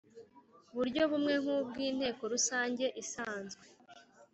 Buryo Bumwe Nk Ubwinteko Rusange Isanzwe